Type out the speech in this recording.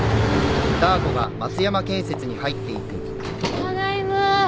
ただいま。